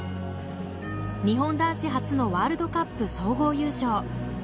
日本男子初のワールドカップ総合優勝。